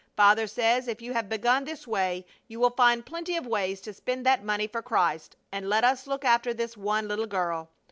Father says if you have begun this way you will find plenty of ways to spend that money for Christ and let us look after this one little girl.